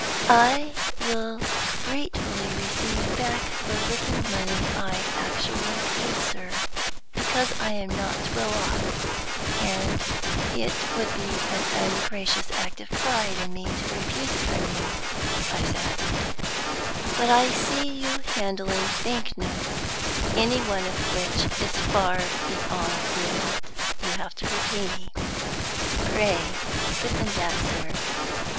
"I will gratefully receive back the little money I actually paid, sir, because I am not well off, and it would be an ungracious act of pride in me to refuse it from you," I said; "but I see you handling bank notes, any one of which is far beyond the amount you have to repay me. Pray put them back, sir.